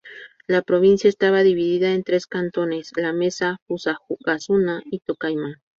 La provincia estaba dividida en tres cantones: La Mesa, Fusagasugá y Tocaima.